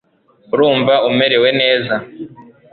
urumva umerewe neza